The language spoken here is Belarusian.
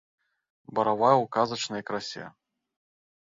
Баравая ў казачнай красе.